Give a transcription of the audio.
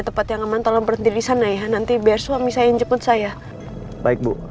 tempat yang aman tolong berhenti di sana ya nanti biar suami saya yang jemput saya baik bu